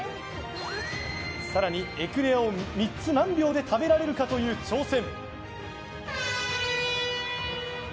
更に、エクレアを３つ何秒で食べられるかという挑戦。